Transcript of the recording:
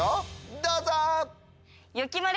どうぞ！